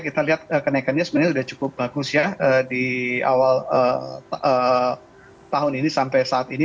kita lihat kenaikannya sebenarnya sudah cukup bagus ya di awal tahun ini sampai saat ini